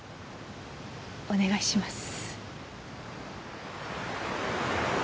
お願いします。